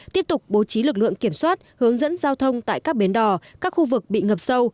tiếp tục bố trí lực lượng kiểm soát hướng dẫn giao thông tại các bến đò các khu vực bị ngập sâu